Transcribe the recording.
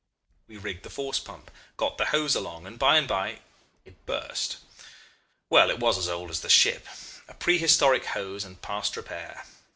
"We rigged the force pump, got the hose along, and by and by it burst. Well, it was as old as the ship a prehistoric hose, and past repair.